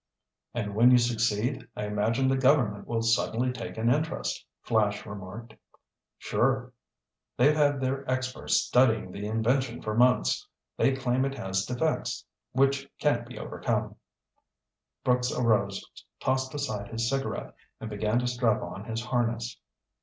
"And when you succeed, I imagine the government will suddenly take an interest," Flash remarked. "Sure. They've had their experts studying the invention for months. They claim it has defects which can't be overcome." Brooks arose, tossed aside his cigarette and began to strap on his harness.